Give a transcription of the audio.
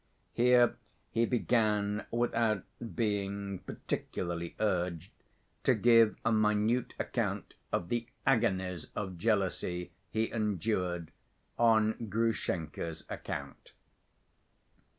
Here he began, without being particularly urged, to give a minute account of the agonies of jealousy he endured on Grushenka's account.